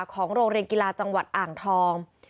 ของโรงเรียนกีฬาจังหวัดอ่างทอง